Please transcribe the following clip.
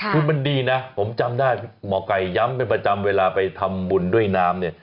คือมันดีนะผมจำได้หมอไก่ย้ำเป็นประจำเวลาไปทำบุญด้วยน้ำเนี่ย